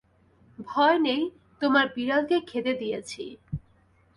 ভয় নেই, তোমার বিড়ালকে খেতে দিয়েছি।